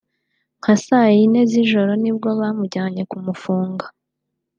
nka saa ine z’ijoro ni bwo bamujyanye ku mufunga